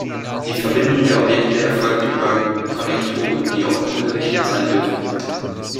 Die Verbindung der Objekte erfolgt über Konnektoren, die auch ungerichtet sein dürfen.